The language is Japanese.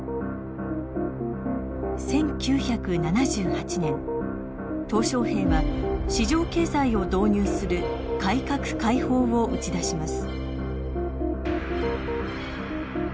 １９７８年小平は市場経済を導入する改革開放を打ち出します。